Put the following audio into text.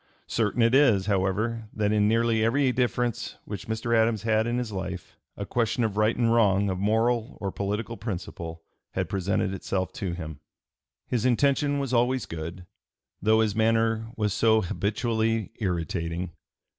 Certain it is, however, that in nearly every difference which Mr. Adams had in his life a question of right and wrong, of moral or political principle, had presented itself to him. His intention was always good, though his manner was so habitually irritating.